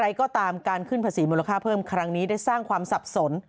ตามการขึ้นภาษีมูลค่าเพิ่มครั้งนี้ได้สร้างความสับสน